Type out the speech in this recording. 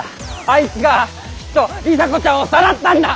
あいつがきっと里紗子ちゃんをさらったんだ！